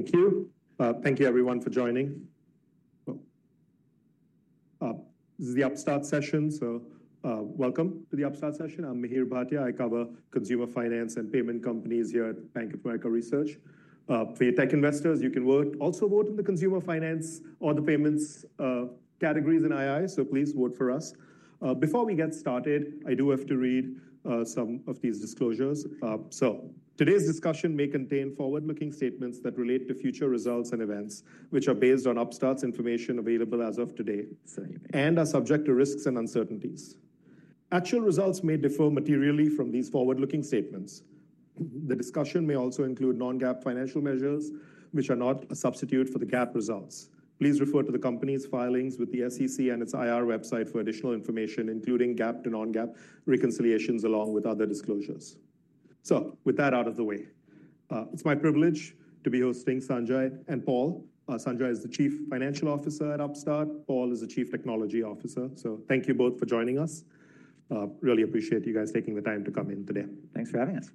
Thank you. Thank you, everyone, for joining. This is the Upstart session, so welcome to the Upstart session. I'm Mahir Bhatia. I cover consumer finance and payment companies here at Bank of America Research. For your tech investors, you can also vote in the consumer finance or the payments categories in II, so please vote for us. Before we get started, I do have to read some of these disclosures. Today's discussion may contain forward-looking statements that relate to future results and events, which are based on Upstart's information available as of today and are subject to risks and uncertainties. Actual results may differ materially from these forward-looking statements. The discussion may also include non-GAAP financial measures, which are not a substitute for the GAAP results. Please refer to the company's filings with the SEC and its IR website for additional information, including GAAP to non-GAAP reconciliations along with other disclosures. With that out of the way, it's my privilege to be hosting Sanjay and Paul. Sanjay is the Chief Financial Officer at Upstart. Paul is the Chief Technology Officer. Thank you both for joining us. Really appreciate you guys taking the time to come in today. Thanks for having us.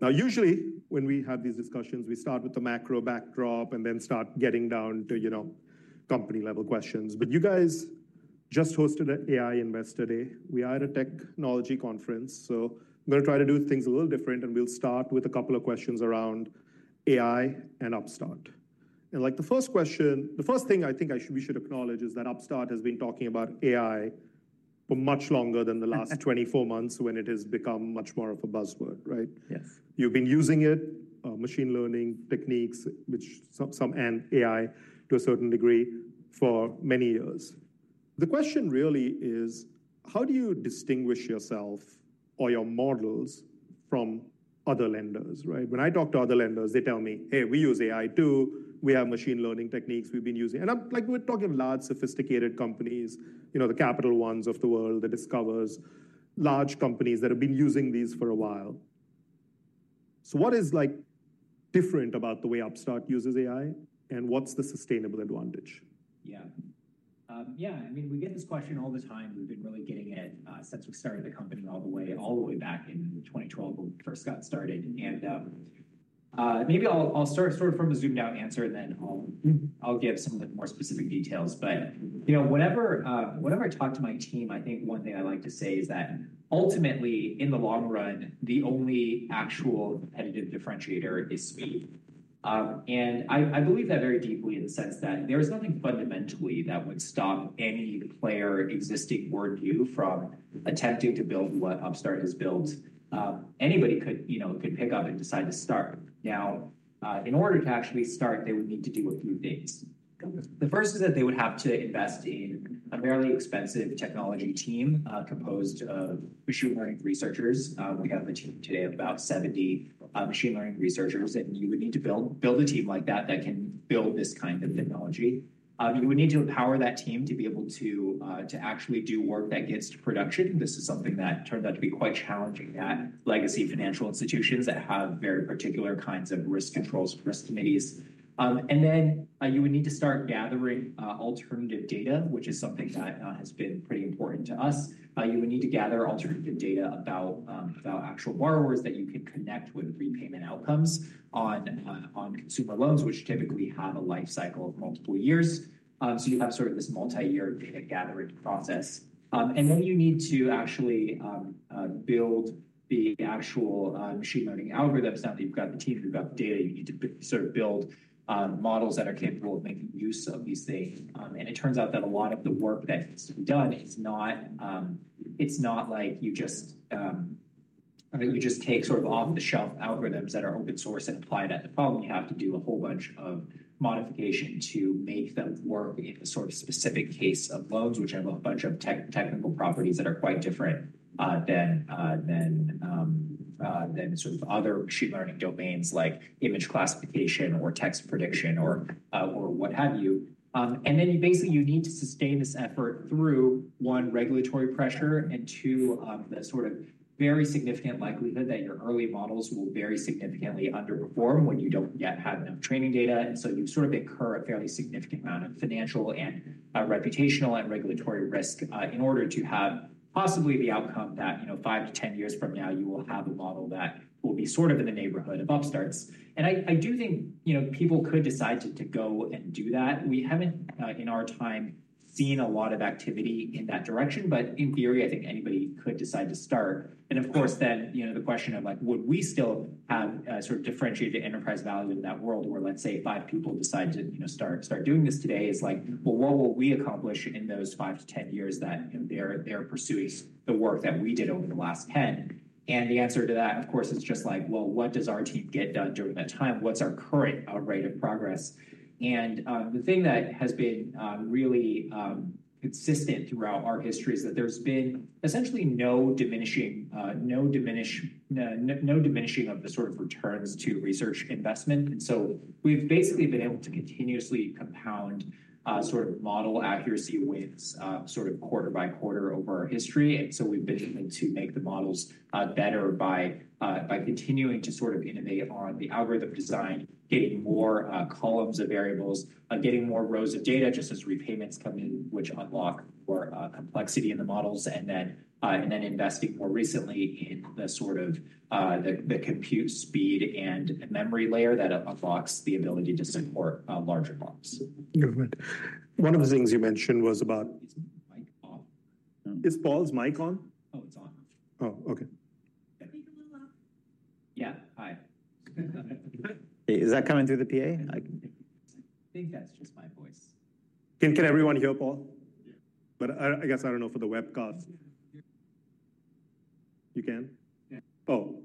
Now, usually when we have these discussions, we start with the macro backdrop and then start getting down to company-level questions. You guys just hosted an AI Investor Day. We are at a technology conference, so I'm going to try to do things a little different. We'll start with a couple of questions around AI and Upstart. The first question, the first thing I think we should acknowledge is that Upstart has been talking about AI for much longer than the last 24 months when it has become much more of a buzzword, right? Yes. You've been using it, machine learning techniques, some AI to a certain degree for many years. The question really is, how do you distinguish yourself or your models from other lenders, right? When I talk to other lenders, they tell me, hey, we use AI too. We have machine learning techniques we've been using. And we're talking large, sophisticated companies, the Capital Ones of the world, the Discovers, large companies that have been using these for a while. So what is different about the way Upstart uses AI, and what's the sustainable advantage? Yeah. Yeah. I mean, we get this question all the time. We've been really getting it since we started the company all the way back in 2012 when we first got started. Maybe I'll start sort of from a zoomed-out answer, and then I'll give some of the more specific details. Whenever I talk to my team, I think one thing I like to say is that ultimately, in the long run, the only actual competitive differentiator is speed. I believe that very deeply in the sense that there is nothing fundamentally that would stop any player existing or new from attempting to build what Upstart has built. Anybody could pick up and decide to start. In order to actually start, they would need to do a few things. The first is that they would have to invest in a fairly expensive technology team composed of machine learning researchers. We have a team today of about 70 machine learning researchers. You would need to build a team like that that can build this kind of technology. You would need to empower that team to be able to actually do work that gets to production. This is something that turns out to be quite challenging at legacy financial institutions that have very particular kinds of risk controls, risk committees. You would need to start gathering alternative data, which is something that has been pretty important to us. You would need to gather alternative data about actual borrowers that you can connect with repayment outcomes on consumer loans, which typically have a life cycle of multiple years. You have sort of this multi-year data gathering process. You need to actually build the actual machine learning algorithms. Now that you've got the team, you've got the data, you need to sort of build models that are capable of making use of these things. It turns out that a lot of the work that needs to be done is not like you just take sort of off-the-shelf algorithms that are open source and apply that to a problem. You have to do a whole bunch of modification to make them work in the sort of specific case of loans, which have a bunch of technical properties that are quite different than sort of other machine learning domains like image classification or text prediction or what have you. You need to sustain this effort through, one, regulatory pressure and, two, the sort of very significant likelihood that your early models will very significantly underperform when you do not yet have enough training data. You sort of incur a fairly significant amount of financial and reputational and regulatory risk in order to have possibly the outcome that five to ten years from now, you will have a model that will be sort of in the neighborhood of Upstart's. I do think people could decide to go and do that. We have not, in our time, seen a lot of activity in that direction. In theory, I think anybody could decide to start. Of course, then the question of, would we still have sort of differentiated enterprise value in that world where, let's say, five people decide to start doing this today is like, what will we accomplish in those 5 to 10 years that they're pursuing the work that we did over the last 10? The answer to that, of course, is just like, what does our team get done during that time? What's our current rate of progress? The thing that has been really consistent throughout our history is that there's been essentially no diminishing of the sort of returns to research investment. We've basically been able to continuously compound sort of model accuracy with sort of quarter by quarter over our history. We've been able to make the models better by continuing to sort of innovate on the algorithm design, getting more columns of variables, getting more rows of data just as repayments come in, which unlock more complexity in the models, and then investing more recently in the sort of compute speed and memory layer that unlocks the ability to support larger models. Good. One of the things you mentioned was about. Is Paul's mic on? Oh, it's on. Oh, OK. Can I speak a little louder? Yeah. Hi. Is that coming through the PA? I think that's just my voice. Can everyone hear Paul? I guess I don't know for the webcast. You can? Oh,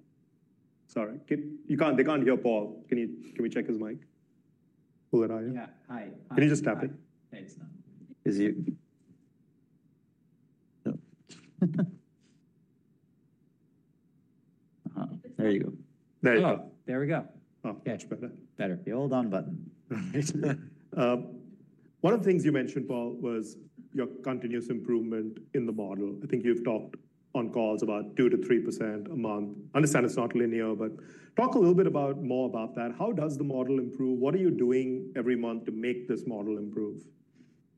sorry. They can't hear Paul. Can we check his mic? Pull it higher. Yeah. Hi. Can you just tap it? Hey, it's not. Is he? No. There you go. There you go. There we go. Oh, much better. Better. The hold-on button. One of the things you mentioned, Paul, was your continuous improvement in the model. I think you've talked on calls about 2%-3% a month. I understand it's not linear, but talk a little bit more about that. How does the model improve? What are you doing every month to make this model improve?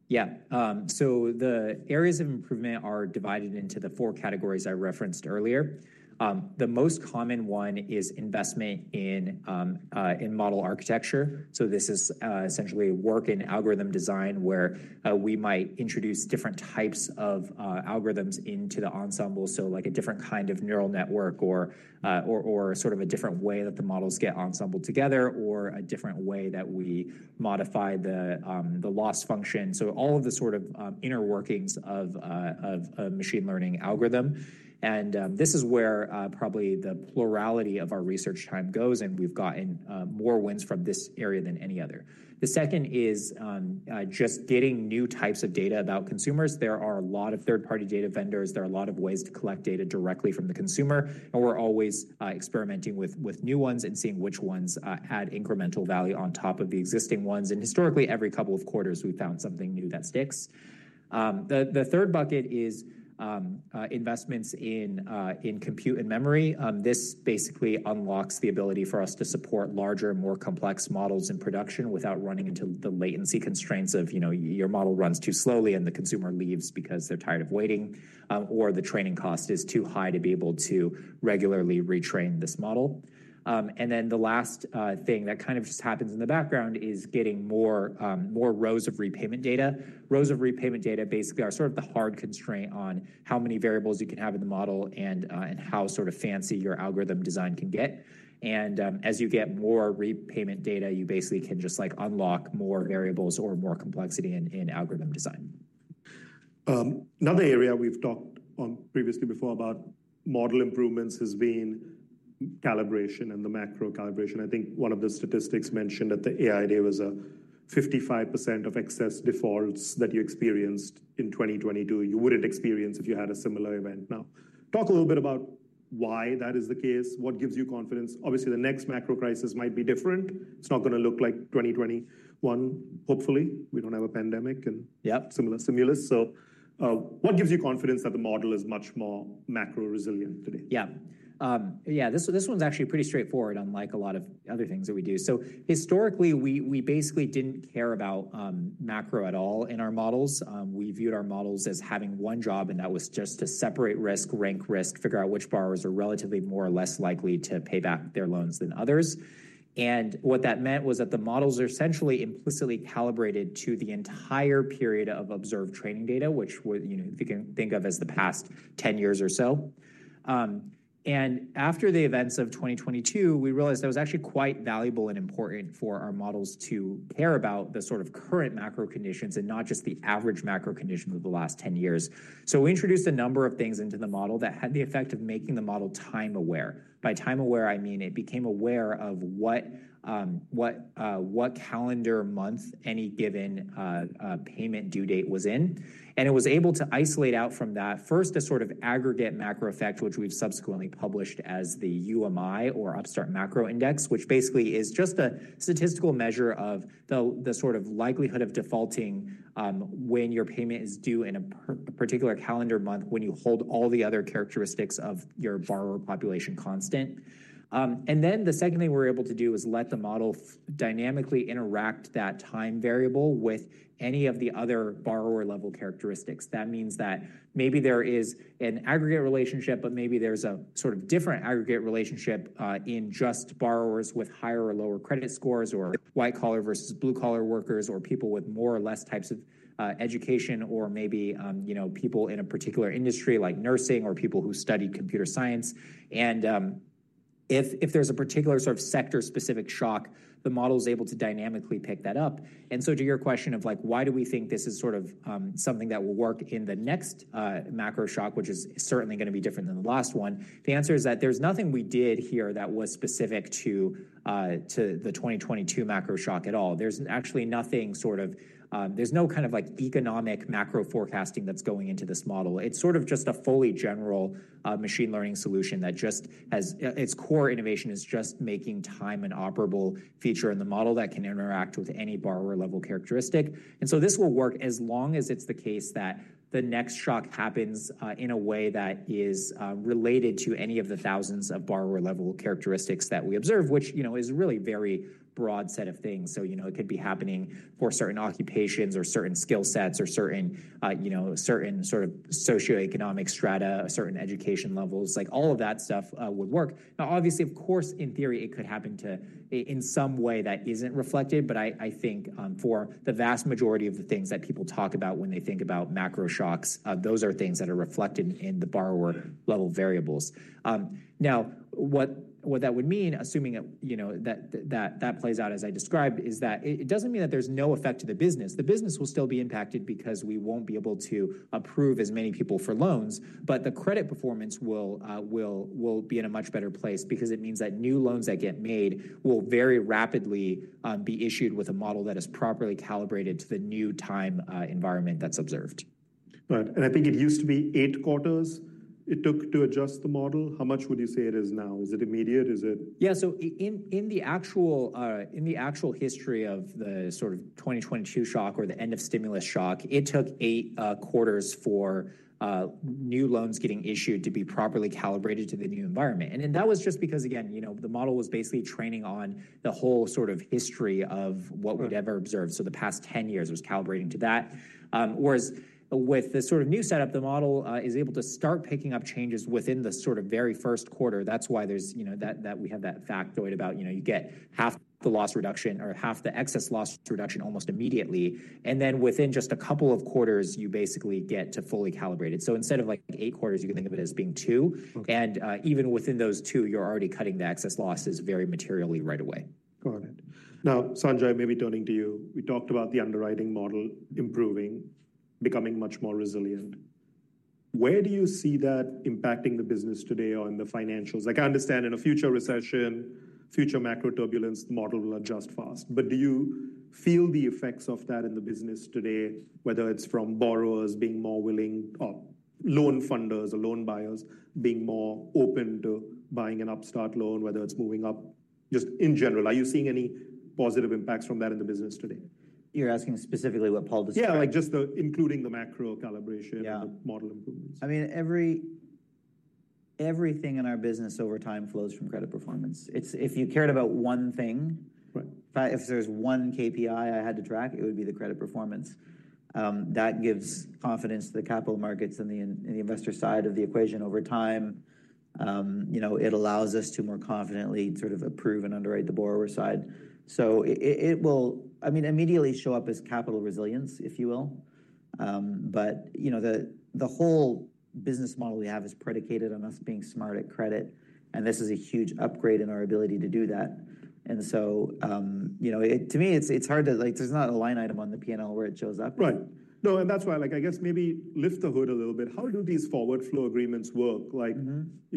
Yeah. The areas of improvement are divided into the four categories I referenced earlier. The most common one is investment in model architecture. This is essentially work in algorithm design where we might introduce different types of algorithms into the ensemble, like a different kind of neural network or a different way that the models get ensembled together or a different way that we modify the loss function. All of the inner workings of a machine learning algorithm. This is where probably the plurality of our research time goes. We have gotten more wins from this area than any other. The second is just getting new types of data about consumers. There are a lot of third-party data vendors. There are a lot of ways to collect data directly from the consumer. We're always experimenting with new ones and seeing which ones add incremental value on top of the existing ones. Historically, every couple of quarters, we've found something new that sticks. The third bucket is investments in compute and memory. This basically unlocks the ability for us to support larger, more complex models in production without running into the latency constraints of your model runs too slowly and the consumer leaves because they're tired of waiting or the training cost is too high to be able to regularly retrain this model. The last thing that kind of just happens in the background is getting more rows of repayment data. Rows of repayment data basically are sort of the hard constraint on how many variables you can have in the model and how sort of fancy your algorithm design can get. As you get more repayment data, you basically can just unlock more variables or more complexity in algorithm design. Another area we've talked previously before about model improvements has been calibration and the macro calibration. I think one of the statistics mentioned at the AI Day was 55% of excess defaults that you experienced in 2022 you wouldn't experience if you had a similar event now. Talk a little bit about why that is the case. What gives you confidence? Obviously, the next macro crisis might be different. It's not going to look like 2021, hopefully. We don't have a pandemic and similar stimulus. What gives you confidence that the model is much more macro resilient today? Yeah. Yeah. This one's actually pretty straightforward, unlike a lot of other things that we do. Historically, we basically didn't care about macro at all in our models. We viewed our models as having one job, and that was just to separate risk, rank risk, figure out which borrowers are relatively more or less likely to pay back their loans than others. What that meant was that the models are essentially implicitly calibrated to the entire period of observed training data, which you can think of as the past 10 years or so. After the events of 2022, we realized that it was actually quite valuable and important for our models to care about the sort of current macro conditions and not just the average macro conditions of the last 10 years. We introduced a number of things into the model that had the effect of making the model time-aware. By time-aware, I mean it became aware of what calendar month any given payment due date was in. It was able to isolate out from that first a sort of aggregate macro effect, which we've subsequently published as the UMI or Upstart Macro Index, which basically is just a statistical measure of the sort of likelihood of defaulting when your payment is due in a particular calendar month when you hold all the other characteristics of your borrower population constant. The second thing we were able to do was let the model dynamically interact that time variable with any of the other borrower-level characteristics. That means that maybe there is an aggregate relationship, but maybe there's a sort of different aggregate relationship in just borrowers with higher or lower credit scores or white-collar versus blue-collar workers or people with more or less types of education or maybe people in a particular industry like nursing or people who study computer science. If there's a particular sort of sector-specific shock, the model is able to dynamically pick that up. To your question of why do we think this is sort of something that will work in the next macro shock, which is certainly going to be different than the last one, the answer is that there's nothing we did here that was specific to the 2022 macro shock at all. There's actually nothing, sort of, there's no kind of economic macro forecasting that's going into this model. It's sort of just a fully general machine learning solution that just has its core innovation is just making time an operable feature in the model that can interact with any borrower-level characteristic. This will work as long as it's the case that the next shock happens in a way that is related to any of the thousands of borrower-level characteristics that we observe, which is a really very broad set of things. It could be happening for certain occupations or certain skill sets or certain sort of socioeconomic strata, certain education levels. All of that stuff would work. Now, obviously, of course, in theory, it could happen in some way that isn't reflected. I think for the vast majority of the things that people talk about when they think about macro shocks, those are things that are reflected in the borrower-level variables. Now, what that would mean, assuming that that plays out as I described, is that it does not mean that there is no effect to the business. The business will still be impacted because we will not be able to approve as many people for loans. The credit performance will be in a much better place because it means that new loans that get made will very rapidly be issued with a model that is properly calibrated to the new time environment that is observed. I think it used to be eight quarters it took to adjust the model. How much would you say it is now? Is it immediate? Is it? Yeah. In the actual history of the sort of 2022 shock or the end-of-stimulus shock, it took eight quarters for new loans getting issued to be properly calibrated to the new environment. That was just because, again, the model was basically training on the whole sort of history of what we'd ever observed. The past 10 years, it was calibrating to that. Whereas with this sort of new setup, the model is able to start picking up changes within the sort of very first quarter. That's why we have that factoid about you get half the loss reduction or half the excess loss reduction almost immediately. Within just a couple of quarters, you basically get to fully calibrated. Instead of eight quarters, you can think of it as being two. Even within those two, you're already cutting the excess losses very materially right away. Got it. Now, Sanjay, maybe turning to you, we talked about the underwriting model improving, becoming much more resilient. Where do you see that impacting the business today or in the financials? I understand in a future recession, future macro turbulence, the model will adjust fast. Do you feel the effects of that in the business today, whether it's from borrowers being more willing or loan funders or loan buyers being more open to buying an Upstart loan, whether it's moving up? Just in general, are you seeing any positive impacts from that in the business today? You're asking specifically what Paul described? Yeah, like just including the macro calibration and the model improvements. I mean, everything in our business over time flows from credit performance. If you cared about one thing, if there's one KPI I had to track, it would be the credit performance. That gives confidence to the capital markets and the investor side of the equation over time. It allows us to more confidently sort of approve and underwrite the borrower side. It will, I mean, immediately show up as capital resilience, if you will. The whole business model we have is predicated on us being smart at credit. This is a huge upgrade in our ability to do that. To me, it's hard to, there's not a line item on the P&L where it shows up. Right. No, and that's why I guess maybe lift the hood a little bit. How do these forward flow agreements work? Like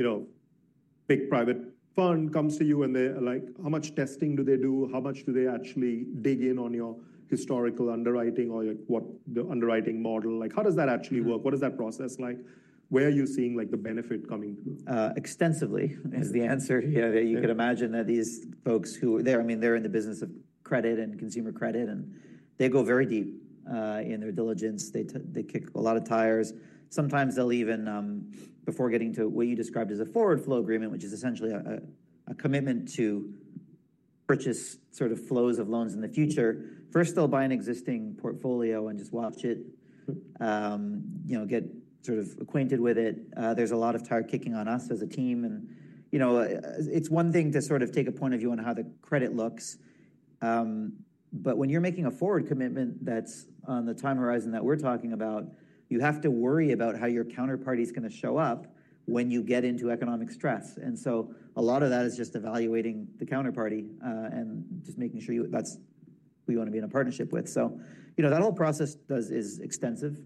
a big private fund comes to you and they're like, how much testing do they do? How much do they actually dig in on your historical underwriting or what the underwriting model? How does that actually work? What is that process like? Where are you seeing the benefit coming? Extensively is the answer. You could imagine that these folks who are there, I mean, they're in the business of credit and consumer credit. And they go very deep in their diligence. They kick a lot of tires. Sometimes they'll even, before getting to what you described as a forward flow agreement, which is essentially a commitment to purchase sort of flows of loans in the future, first they'll buy an existing portfolio and just watch it, get sort of acquainted with it. There's a lot of tire kicking on us as a team. And it's one thing to sort of take a point of view on how the credit looks. But when you're making a forward commitment that's on the time horizon that we're talking about, you have to worry about how your counterparty is going to show up when you get into economic stress. A lot of that is just evaluating the counterparty and just making sure that's who you want to be in a partnership with. That whole process is extensive.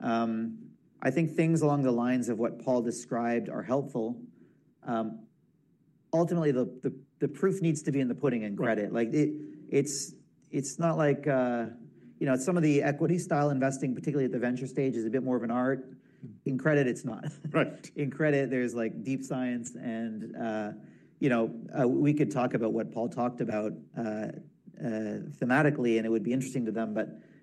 I think things along the lines of what Paul described are helpful. Ultimately, the proof needs to be in the pudding in credit. It's not like some of the equity-style investing, particularly at the venture stage, is a bit more of an art. In credit, it's not. In credit, there's deep science. We could talk about what Paul talked about thematically, and it would be interesting to them.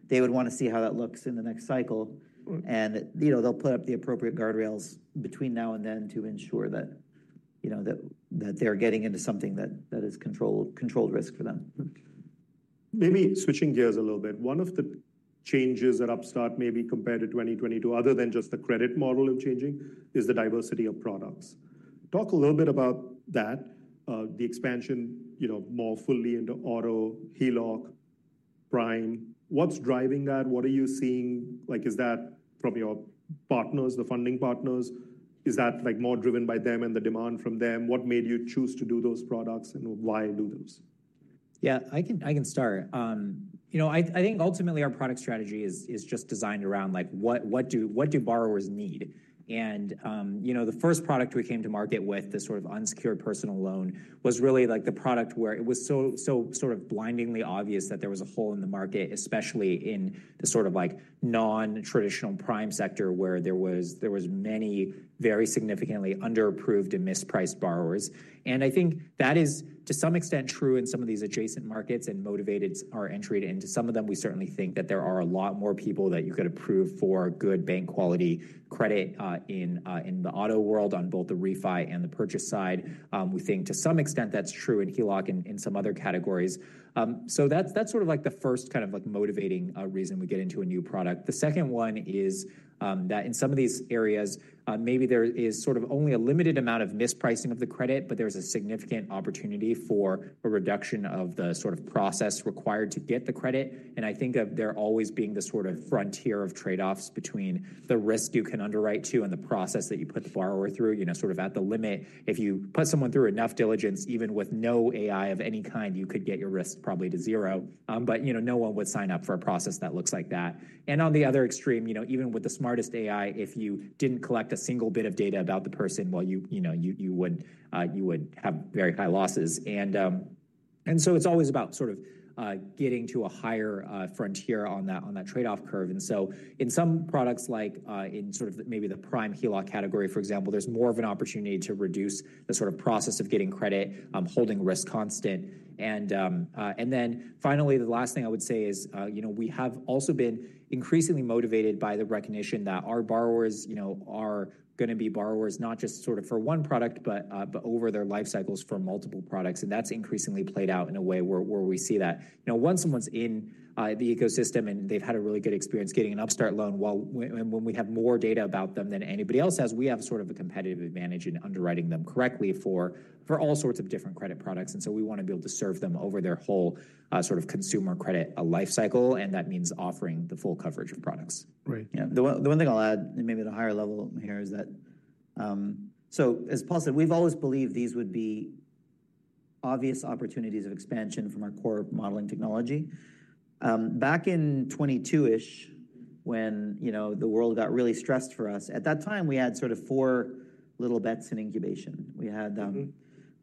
They would want to see how that looks in the next cycle. They'll put up the appropriate guardrails between now and then to ensure that they're getting into something that is controlled risk for them. Maybe switching gears a little bit. One of the changes at Upstart maybe compared to 2022, other than just the credit model changing, is the diversity of products. Talk a little bit about that, the expansion more fully into auto, HELOC, Prime. What's driving that? What are you seeing? Is that from your partners, the funding partners? Is that more driven by them and the demand from them? What made you choose to do those products and why do those? Yeah, I can start. I think ultimately, our product strategy is just designed around what do borrowers need. The first product we came to market with, the sort of unsecured personal loan, was really the product where it was so sort of blindingly obvious that there was a hole in the market, especially in the sort of non-traditional prime sector where there were many very significantly under-approved and mispriced borrowers. I think that is to some extent true in some of these adjacent markets and motivated our entry. To some of them, we certainly think that there are a lot more people that you could approve for good bank-quality credit in the auto world on both the refi and the purchase side. We think to some extent that's true in HELOC and in some other categories. That's sort of like the first kind of motivating reason we get into a new product. The second one is that in some of these areas, maybe there is sort of only a limited amount of mispricing of the credit, but there's a significant opportunity for a reduction of the sort of process required to get the credit. I think they're always being the sort of frontier of trade-offs between the risk you can underwrite to and the process that you put the borrower through. Sort of at the limit, if you put someone through enough diligence, even with no AI of any kind, you could get your risk probably to zero. No one would sign up for a process that looks like that. On the other extreme, even with the smartest AI, if you did not collect a single bit of data about the person, you would have very high losses. It is always about sort of getting to a higher frontier on that trade-off curve. In some products, like in maybe the prime HELOC category, for example, there is more of an opportunity to reduce the sort of process of getting credit, holding risk constant. Finally, the last thing I would say is we have also been increasingly motivated by the recognition that our borrowers are going to be borrowers not just for one product, but over their life cycles for multiple products. That has increasingly played out in a way where we see that. Now, once someone's in the ecosystem and they've had a really good experience getting an Upstart loan, and when we have more data about them than anybody else has, we have sort of a competitive advantage in underwriting them correctly for all sorts of different credit products. We want to be able to serve them over their whole sort of consumer credit life cycle. That means offering the full coverage of products. The one thing I'll add, maybe at a higher level here, is that, as Paul said, we've always believed these would be obvious opportunities of expansion from our core modeling technology. Back in 2022-ish, when the world got really stressed for us, at that time, we had sort of four little bets in incubation.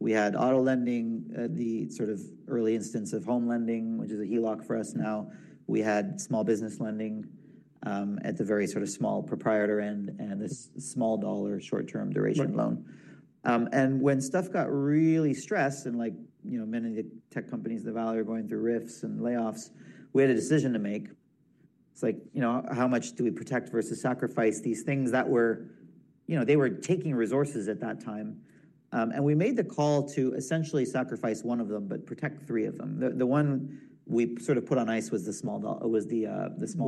We had auto lending, the sort of early instance of home lending, which is a HELOC for us now. We had small business lending at the very sort of small proprietor end and this small dollar short-term duration loan. When stuff got really stressed and many of the tech companies, the value are going through rifts and layoffs, we had a decision to make. It's like, how much do we protect versus sacrifice these things that were taking resources at that time. We made the call to essentially sacrifice one of them, but protect three of them. The one we sort of put on ice was the small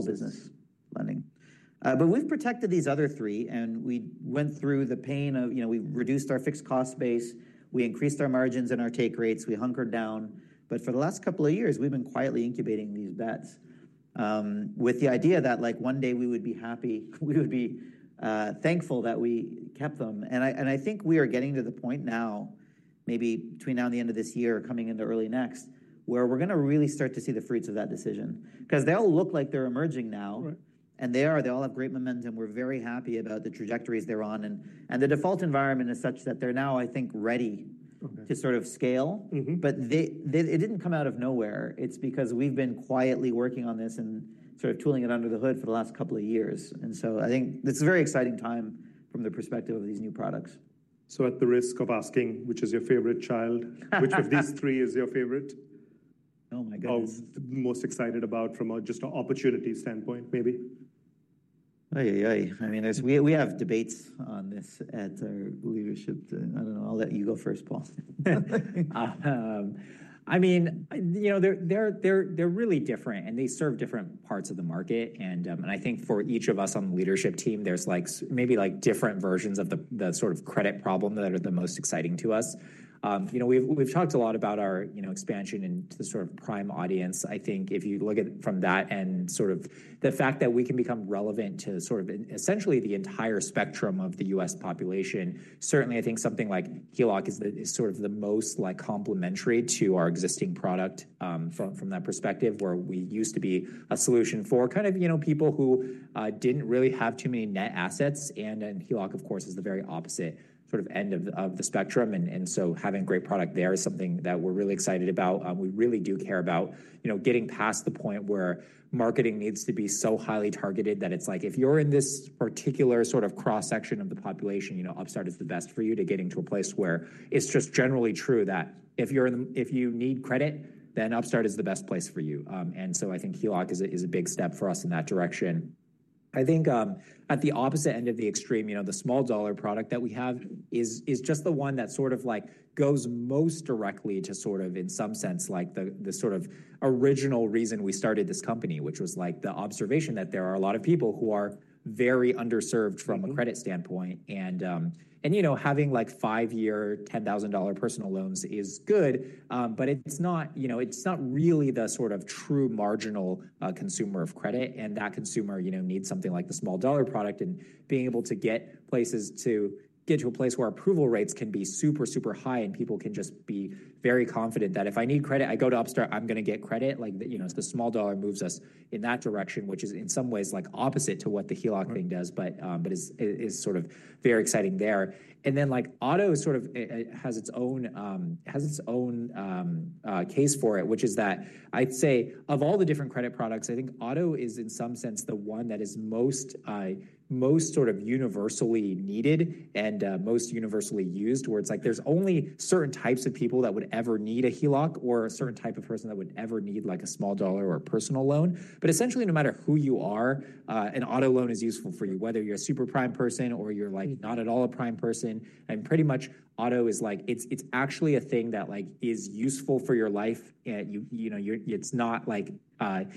business lending. We protected these other three. We went through the pain of we reduced our fixed cost base. We increased our margins and our take rates. We hunkered down. For the last couple of years, we've been quietly incubating these bets with the idea that one day we would be happy. We would be thankful that we kept them. I think we are getting to the point now, maybe between now and the end of this year, coming into early next, where we're going to really start to see the fruits of that decision. They all look like they're emerging now. They are. They all have great momentum. We're very happy about the trajectories they're on. The default environment is such that they're now, I think, ready to sort of scale. It didn't come out of nowhere. It's because we've been quietly working on this and sort of tooling it under the hood for the last couple of years. I think it's a very exciting time from the perspective of these new products. At the risk of asking, which is your favorite child, which of these three is your favorite? Oh my goodness. Of the most excited about from just an opportunity standpoint, maybe? Oh, yay, yay. I mean, we have debates on this at our leadership. I don't know. I'll let you go first, Paul. I mean, they're really different. They serve different parts of the market. I think for each of us on the leadership team, there's maybe different versions of the sort of credit problem that are the most exciting to us. We've talked a lot about our expansion into the sort of prime audience. I think if you look at it from that and sort of the fact that we can become relevant to sort of essentially the entire spectrum of the US population, certainly, I think something like HELOC is sort of the most complementary to our existing product from that perspective, where we used to be a solution for kind of people who didn't really have too many net assets. HELOC, of course, is the very opposite sort of end of the spectrum. Having great product there is something that we're really excited about. We really do care about getting past the point where marketing needs to be so highly targeted that it's like, if you're in this particular sort of cross-section of the population, Upstart is the best for you to get into a place where it's just generally true that if you need credit, then Upstart is the best place for you. I think HELOC is a big step for us in that direction. I think at the opposite end of the extreme, the small dollar product that we have is just the one that sort of goes most directly to sort of, in some sense, the sort of original reason we started this company, which was the observation that there are a lot of people who are very underserved from a credit standpoint. Having five-year, $10,000 personal loans is good. It's not really the sort of true marginal consumer of credit. That consumer needs something like the small dollar product, and being able to get to a place where approval rates can be super, super high and people can just be very confident that if I need credit, I go to Upstart, I'm going to get credit. The small dollar moves us in that direction, which is in some ways opposite to what the HELOC thing does, but is sort of very exciting there. Auto sort of has its own case for it, which is that I'd say of all the different credit products, I think auto is in some sense the one that is most sort of universally needed and most universally used, where it's like there's only certain types of people that would ever need a HELOC or a certain type of person that would ever need a small dollar or a personal loan. Essentially, no matter who you are, an auto loan is useful for you, whether you're a super prime person or you're not at all a prime person. Pretty much auto is like, it's actually a thing that is useful for your life.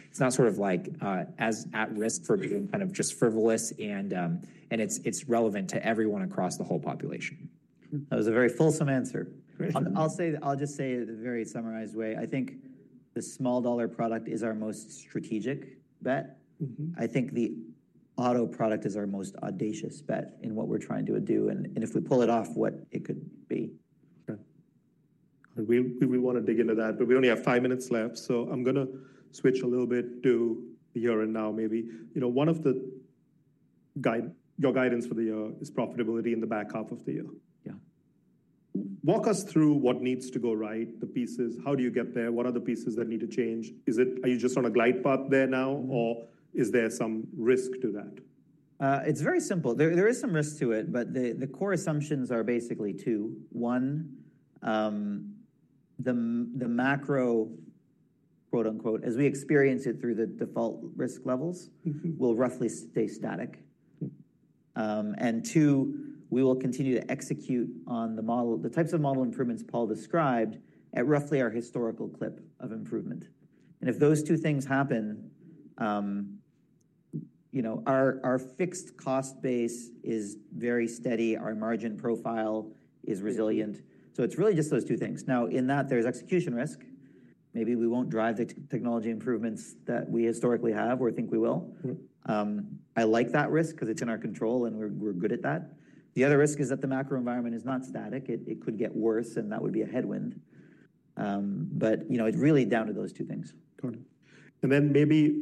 It's not sort of as at risk for being kind of just frivolous. It's relevant to everyone across the whole population. That was a very fulsome answer. I'll just say it in a very summarized way. I think the Small Dollar Product is our most strategic bet. I think the Auto Product is our most audacious bet in what we're trying to do. If we pull it off, what it could be. We will want to dig into that. We only have five minutes left. I'm going to switch a little bit to the year and now, maybe. One of your guidance for the year is profitability in the back half of the year. Yeah. Walk us through what needs to go right, the pieces. How do you get there? What are the pieces that need to change? Are you just on a glide path there now, or is there some risk to that? It's very simple. There is some risk to it. The core assumptions are basically two. One, the macro, quote unquote, as we experience it through the default risk levels, will roughly stay static. Two, we will continue to execute on the types of model improvements Paul described at roughly our historical clip of improvement. If those two things happen, our fixed cost base is very steady. Our margin profile is resilient. It's really just those two things. In that, there's execution risk. Maybe we won't drive the technology improvements that we historically have or think we will. I like that risk because it's in our control and we're good at that. The other risk is that the macro environment is not static. It could get worse, and that would be a headwind. It's really down to those two things. Got it. Maybe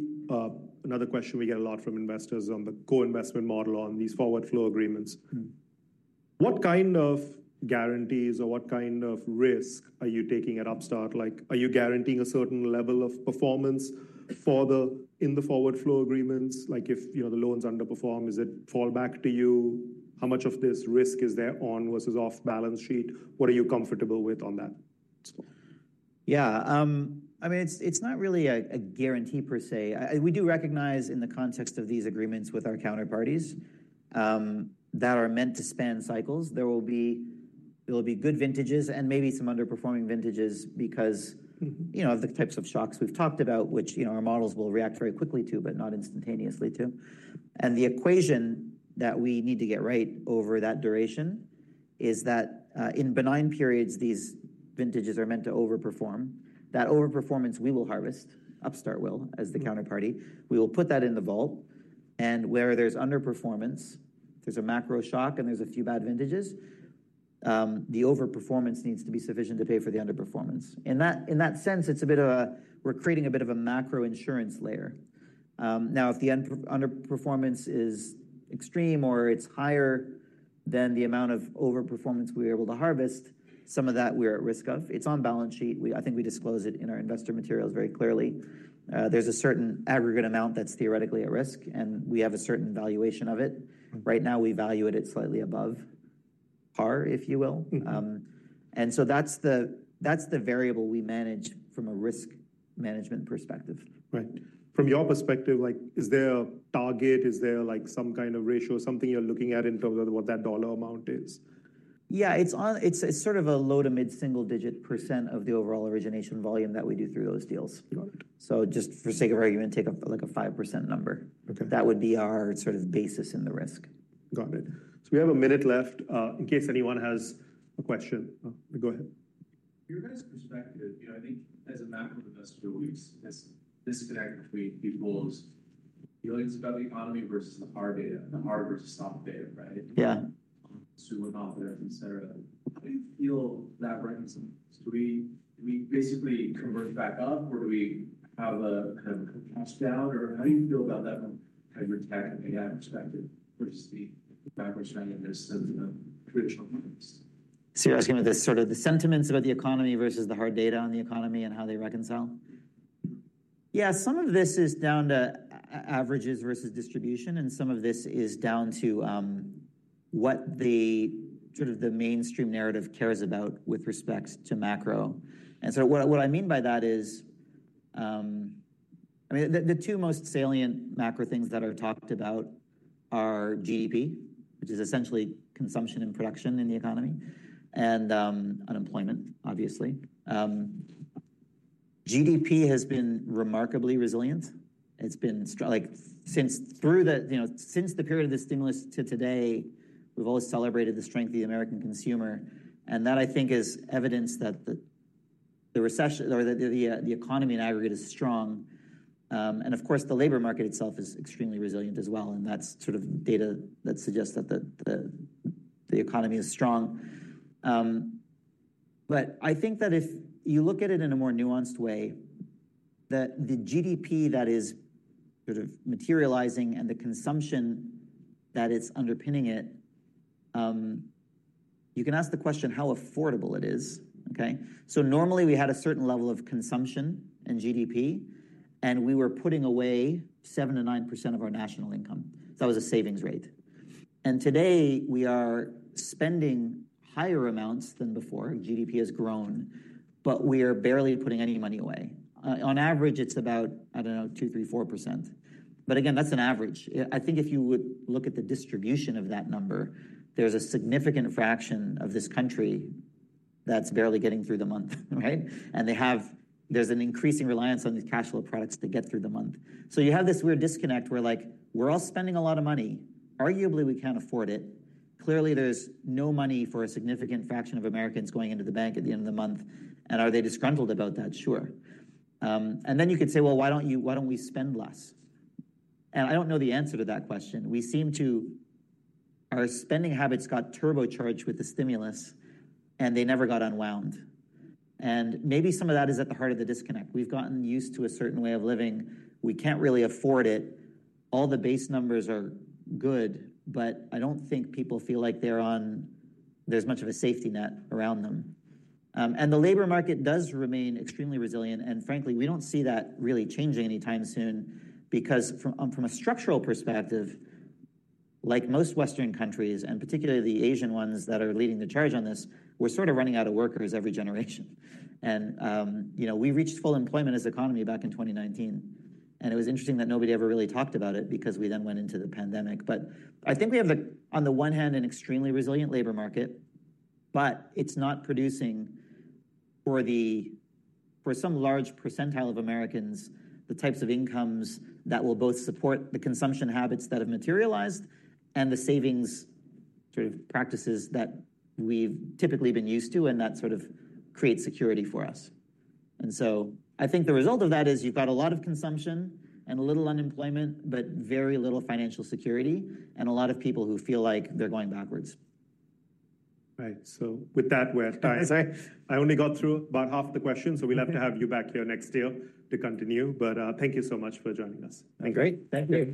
another question we get a lot from investors on the co-investment model on these forward flow agreements. What kind of guarantees or what kind of risk are you taking at Upstart? Are you guaranteeing a certain level of performance in the forward flow agreements? If the loans underperform, does it fall back to you? How much of this risk is there on versus off balance sheet? What are you comfortable with on that? Yeah. I mean, it's not really a guarantee per se. We do recognize in the context of these agreements with our counterparties that are meant to span cycles. There will be good vintages and maybe some underperforming vintages because of the types of shocks we've talked about, which our models will react very quickly to, but not instantaneously to. The equation that we need to get right over that duration is that in benign periods, these vintages are meant to overperform. That overperformance, we will harvest. Upstart will, as the counterparty. We will put that in the vault. Where there's underperformance, there's a macro shock and there's a few bad vintages. The overperformance needs to be sufficient to pay for the underperformance. In that sense, it's a bit of a we're creating a bit of a macro insurance layer. Now, if the underperformance is extreme or it's higher than the amount of overperformance we're able to harvest, some of that we're at risk of. It's on balance sheet. I think we disclose it in our investor materials very clearly. There's a certain aggregate amount that's theoretically at risk. And we have a certain valuation of it. Right now, we value it at slightly above par, if you will. And so that's the variable we manage from a risk management perspective. Right. From your perspective, is there a target? Is there some kind of ratio, something you're looking at in terms of what that dollar amount is? Yeah. It's sort of a low to mid single digit % of the overall origination volume that we do through those deals. So just for the sake of argument, take a 5% number. That would be our sort of basis in the risk. Got it. So we have a minute left in case anyone has a question. Go ahead. From your guys' perspective, I think as a macro investor, we've seen this disconnect between people's feelings about the economy versus the hard data, the hard versus soft data, right? Yeah. Consumer confidence, et cetera. How do you feel that reconciles? Do we basically convert back up, or do we have a kind of a cash down? Or how do you feel about that from a tech and AI perspective versus the macro strength and the traditional markets? You're asking about the sort of the sentiments about the economy versus the hard data on the economy and how they reconcile? Yeah. Some of this is down to averages versus distribution. Some of this is down to what the sort of the mainstream narrative cares about with respect to macro. What I mean by that is, I mean, the two most salient macro things that are talked about are GDP, which is essentially consumption and production in the economy, and unemployment, obviously. GDP has been remarkably resilient. It's been since the period of the stimulus to today, we've always celebrated the strength of the American consumer. That, I think, is evidence that the recession or the economy in aggregate is strong. Of course, the labor market itself is extremely resilient as well. That is sort of data that suggests that the economy is strong. I think that if you look at it in a more nuanced way, that the GDP that is sort of materializing and the consumption that is underpinning it, you can ask the question how affordable it is. Normally, we had a certain level of consumption and GDP. We were putting away 7%-9% of our national income. That was a savings rate. Today, we are spending higher amounts than before. GDP has grown. We are barely putting any money away. On average, it is about, I do not know, 2%, 3%, 4%. Again, that is an average. I think if you would look at the distribution of that number, there is a significant fraction of this country that is barely getting through the month, right? There is an increasing reliance on these cash flow products to get through the month. You have this weird disconnect where we are all spending a lot of money. Arguably, we cannot afford it. Clearly, there is no money for a significant fraction of Americans going into the bank at the end of the month. Are they disgruntled about that? Sure. You could say, why do we not spend less? I do not know the answer to that question. We seem to have had our spending habits turbocharged with the stimulus, and they never got unwound. Maybe some of that is at the heart of the disconnect. We have gotten used to a certain way of living. We cannot really afford it. All the base numbers are good. I do not think people feel like there is much of a safety net around them. The labor market does remain extremely resilient. Frankly, we do not see that really changing anytime soon. From a structural perspective, like most Western countries, and particularly the Asian ones that are leading the charge on this, we are sort of running out of workers every generation. We reached full employment as an economy back in 2019. It was interesting that nobody ever really talked about it because we then went into the pandemic. I think we have, on the one hand, an extremely resilient labor market. It is not producing for some large percentile of Americans the types of incomes that will both support the consumption habits that have materialized and the savings sort of practices that we have typically been used to and that sort of create security for us. I think the result of that is you've got a lot of consumption and a little unemployment, but very little financial security and a lot of people who feel like they're going backwards. Right. So with that, we're at time. I only got through about half the questions. We'll have to have you back here next year to continue. Thank you so much for joining us. Great. Thank you.